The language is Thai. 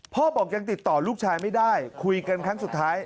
พ่อบอกยังติดต่อลูกชายไม่ได้คุยกันครั้งสุดท้าย